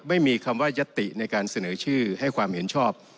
ไม่มีคำว่ายัตติในการเสนอชื่อให้ความเห็นชอบ